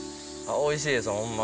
おいしいですホンマ。